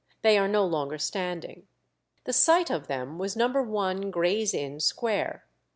They are no longer standing. The site of them was No. 1 Gray's Inn Square.